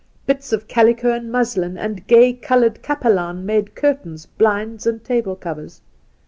Bits of calico and muslin and gay coloured kapelaan made curtains, blinds, and table covers.